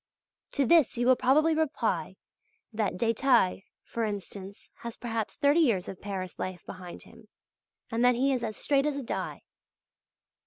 To this you will probably reply that Détaille, for instance, has perhaps thirty years of Paris life behind him, and that he is as straight as a die.